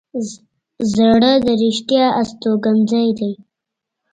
زړه د رښتیا استوګنځی دی.